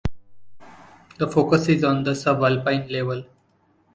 The focus is on the subalpine level.